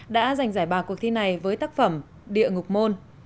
đã giành giải ba cuộc thi này với tác phẩm địa ngục môn